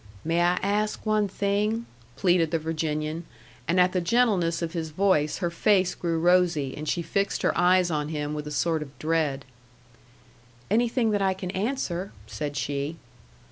"May I ask one thing?" pleaded the Virginian, and at the gentleness of his voice her face grew rosy, and she fixed her eyes on him with a sort of dread. "Anything that I can answer," said she.